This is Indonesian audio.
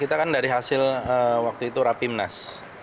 kita kan dari hasil waktu itu rapimnas